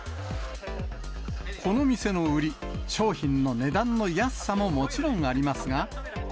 この店の売り、商品の値段の安さももちろんありますが。